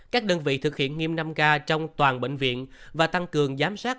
các đơn vị thực hiện nghiêm năm k trong toàn bệnh viện và tăng cường giám sát